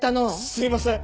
すいません！